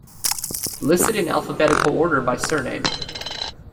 Listed in alphabetical order by surname.